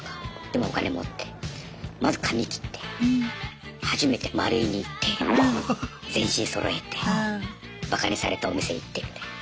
でもうお金持ってまず髪切って初めてマルイに行って全身そろえてバカにされたお店行ってみたいな。